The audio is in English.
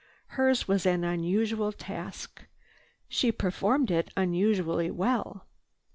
Hers was an unusual task. She performed it unusually well.